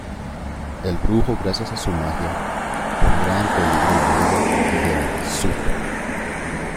El brujo gracias a su magia pondrá en peligro la vida del "Súper".